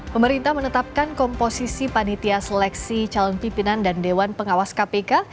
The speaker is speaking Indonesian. pemerintah menetapkan komposisi panitia seleksi calon pimpinan dan dewan pengawas kpk